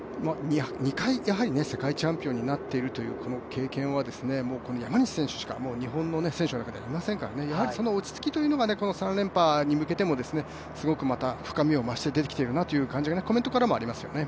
２回、世界チャンピオンになっているという経験は山西選手しか日本の選手の中ではいませんから、その落ち着きがこの３連覇に向けても深みを増してきてるなというのがコメントからもありますよね。